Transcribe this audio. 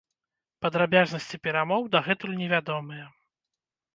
Падрабязнасці перамоў дагэтуль невядомыя.